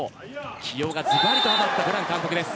起用がズバリと当たったブラン監督。